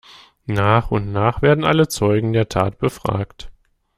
Nach und nach werden alle Zeugen der Tat befragt.